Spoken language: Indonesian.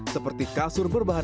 seperti kasur berbahan